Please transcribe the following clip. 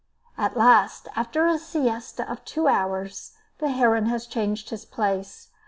At last, after a siesta of two hours, the heron has changed his place.